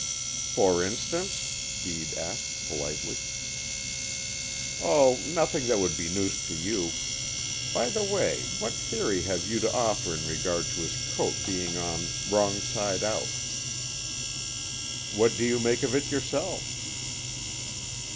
"For instance ?" Bede asked politely. "Oh, nothing that would be news to you. By the way, what theory have you to offer in regard to his coat being on wrong side out?" "What do you make of it yourself?"